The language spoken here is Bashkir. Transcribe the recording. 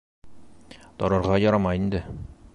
Торорға ярамай инде.